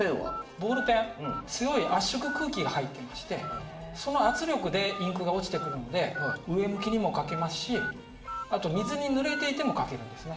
ボールペン強い圧縮空気が入っていましてその圧力でインクが落ちてくるので上向きにも書けますしあと水にぬれていても書けるんですね。